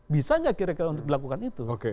bisa nggak kira kira untuk dilakukan itu